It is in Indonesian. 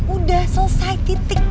udah selesai titik